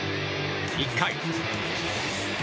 １回。